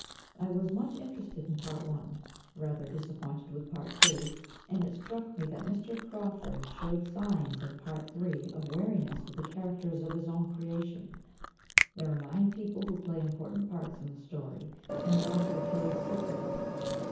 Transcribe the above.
I was much interested in Part I., rather disappointed with Part II., and it struck me that Mr. Crawford showed signs in Part III. of weariness with the characters of his own creation. There are nine people who play important parts in the story, and the author kills six of them.